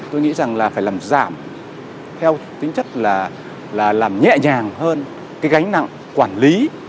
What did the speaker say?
tôi nghĩ rằng là phải làm giảm theo tính chất là làm nhẹ nhàng hơn cái gánh nặng quản lý